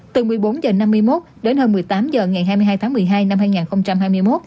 từ một mươi bốn h năm mươi một đến hơn một mươi tám h ngày hai mươi hai tháng một mươi hai năm hai nghìn hai mươi một